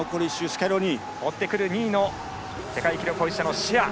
追ってくる２位の世界記録保持者、シェア。